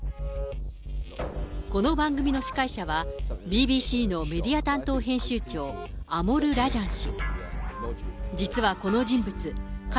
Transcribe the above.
この番組の司会者は、ＢＢＣのメディア担当編集長、アモル・ラジャン氏。